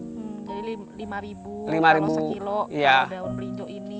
jangan lupa dikit lipat makan sehari hari